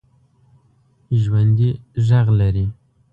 ژوندي غږ لري